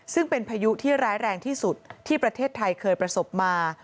ซึ่งเป็นพายุที่ร้ายแรงที่สุดที่ประเทศไทยเคยประสบมา